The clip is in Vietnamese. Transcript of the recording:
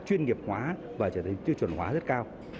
chuyên nghiệp hóa và trở thành tiêu chuẩn hóa rất cao